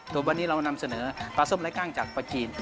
โดยวันนี้เรานำเสนอปลาส้มไร้กล้างจากปลาจีน